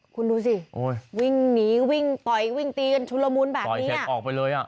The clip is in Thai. คุณดูสิวิ่งหนีวิ่งปล่อยวิ่งตีนชุดรมุ้นแบบนี้ออกไปเลยอ่ะ